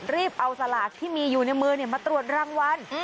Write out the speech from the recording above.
รีบเอาสลากที่มีอยู่ในมือมาตรวจรางวัล